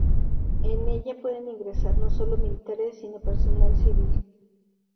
En ella pueden ingresar no solo militares, sino personal civil.